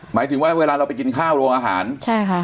หมายถึงว่าเวลาเราไปกินข้าวโรงอาหารใช่ค่ะ